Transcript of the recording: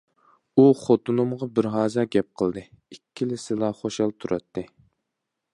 ئۇ خوتۇنۇمغا بىر ھازا گەپ قىلدى، ئىككىلىسىلا خۇشال تۇراتتى.